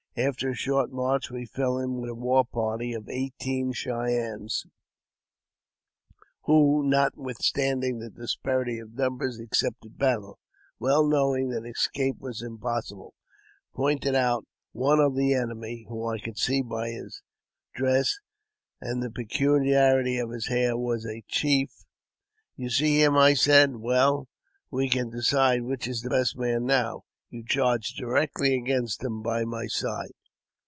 After a short march we fell in with a war party of eighteen Cheyennes, who, nothwithstanding the disparity of number accepted battle, well knowing that escape was impossible, pointed out one of the enemy (who I could see by his dre and the peculiarity of his hair was a chief). " You see him ? I said. " Well, we can decide which is the best man now. You charge directly against him by my side."